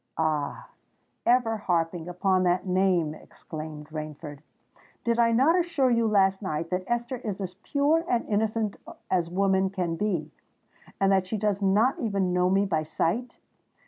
"Ah! ever harping upon that name!" exclaimed Rainford. "Did I not assure you last night that Esther is as pure and innocent as woman can be, and that she does not even know me by sight?